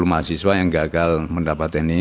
lima puluh mahasiswa yang gagal mendapatkan ini